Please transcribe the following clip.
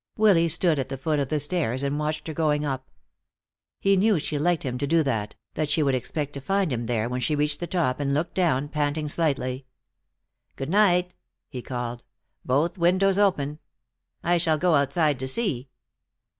Willy stood at the foot of the stairs and watched her going up. He knew she liked him to do that, that she would expect to find him there when she reached the top and looked down, panting slightly. "Good night," he called. "Both windows open. I shall go outside to see."